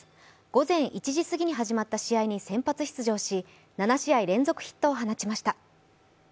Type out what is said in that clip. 午前１時すぎに始まった試合に先発出場し７試合連続ヒットを放ちました。